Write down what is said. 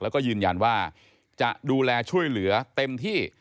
แล้วก็ยืนยันว่าจะดูแลช่วยเหลือเต็มที่